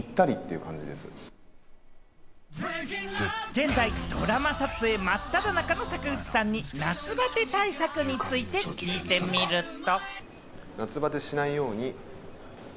現在、ドラマ撮影真っ只中の坂口さんに夏バテ対策について聞いてみると。